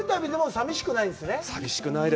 寂しくないです。